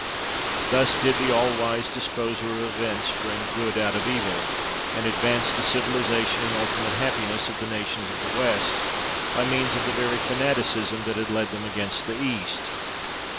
Thus did the all wise Disposer of events bring good out of evil, and advance the civilisation and ultimate happiness of the nations of the West by means of the very fanaticism that had led them against the East.